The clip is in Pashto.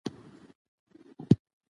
قومونه د افغان کلتور سره تړاو لري.